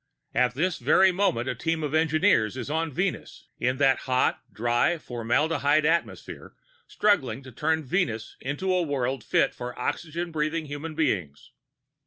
At this very moment a team of engineers is on Venus, in that hot, dry, formaldehyde atmosphere, struggling to turn Venus into a world fit for oxygen breathing human beings.